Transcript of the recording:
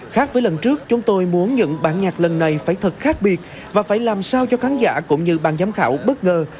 khác với lần trước chúng tôi muốn những bản nhạc lần này phải thật khác biệt và phải làm sao cho khán giả cũng như ban giám khảo bất ngờ